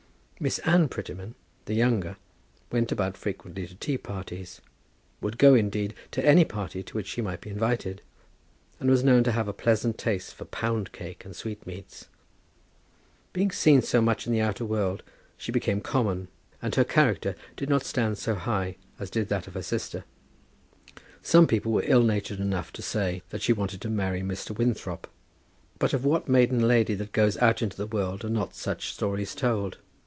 Miss Anne Prettyman, the younger, went about frequently to tea parties, would go, indeed, to any party to which she might be invited; and was known to have a pleasant taste for pound cake and sweet meats. Being seen so much in the outer world, she became common, and her character did not stand so high as did that of her sister. Some people were ill natured enough to say that she wanted to marry Mr. Winthrop; but of what maiden lady that goes out into the world are not such stories told?